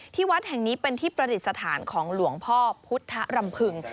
วัดแห่งนี้เป็นที่ประดิษฐานของหลวงพ่อพุทธรำพึง